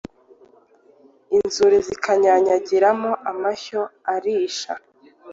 inzuri zikanyanyagiramo amashyo arisha